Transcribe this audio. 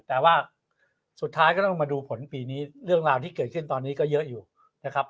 แต่ว่าสุดท้ายก็ต้องมาดูผลปีนี้เรื่องราวที่เกิดขึ้นตอนนี้ก็เยอะอยู่นะครับ